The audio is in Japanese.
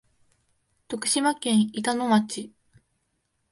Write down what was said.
徳島県板野町